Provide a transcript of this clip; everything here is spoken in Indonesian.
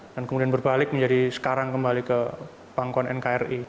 dan kemudian berbalik menjadi sekarang kembali ke pangkuan nkri